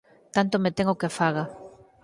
Tanto me ten o que faga.